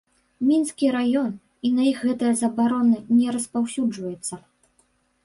Мінскі раён, і на іх гэтая забарона не распаўсюджваецца.